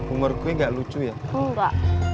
umur gue gak lucu ya